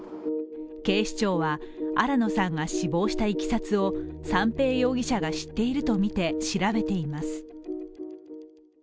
警視庁は、新野さんが死亡したいきさつを三瓶容疑者が知っているとみて調べています。